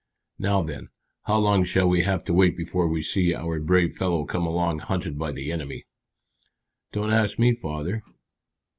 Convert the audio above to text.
Now then, how long shall we have to wait before we see our brave fellow come along hunted by the enemy?" "Don't ask me, father."